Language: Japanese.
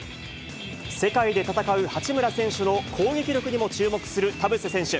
世界で戦う八村選手の攻撃力にも注目する田臥選手。